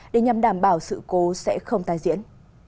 để nhằm đảm bảo sự cố sẽ không tái diễn